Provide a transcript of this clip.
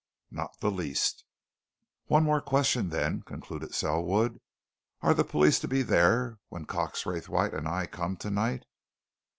"Not the least!" "One more question, then," concluded Selwood. "Are the police to be there when Cox Raythwaite and I come tonight?"